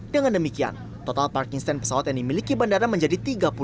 dengan demikian total parking stand pesawat yang dimiliki bandara menjadi tiga puluh delapan